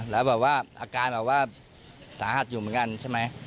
แล้วแบบว่าอาการแบบว่าสาหัสอยู่เหมือนกันใช่ไหม